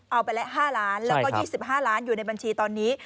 เอาไปละ๕ล้านแล้วก็๒๕ล้านอยู่ในบัญชีตอนนี้